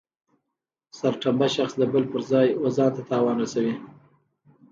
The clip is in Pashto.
سرټنبه شخص د بل پر ځای و ځانته تاوان رسوي.